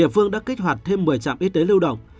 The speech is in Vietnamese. địa phương đã kích hoạt thêm một mươi trạm y tế lưu động